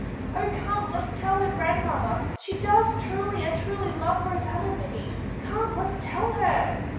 Oh, come, let's tell her grandmother. She does truly and truly love Rosanna, Minnie. Come, let's tell her!"